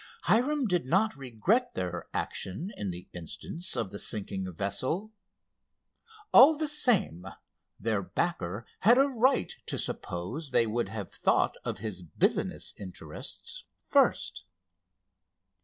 Hiram did not regret their action in the instance of the sinking vessel. All the same, their backer had a right to suppose they would have thought of his business interests first.